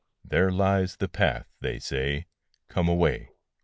There lies the path, they say Come, away!